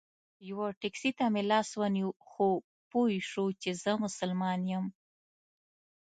یوه ټیکسي ته مې لاس ونیو خو پوی شو چې زه مسلمان یم.